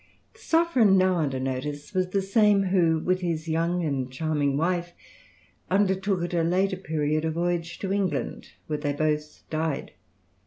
The sovereign now under notice was the same, who, with his young and charming wife, undertook at a later period a voyage to England, where they both died.